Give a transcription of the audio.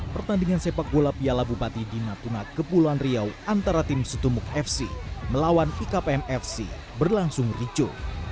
pertandingan sepak bola piala bupati di natuna kepulauan riau antara tim setumuk fc melawan ikpm fc berlangsung ricu